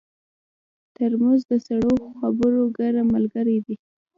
ترموز د سړو خبرو ګرم ملګری دی.